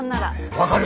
分かる。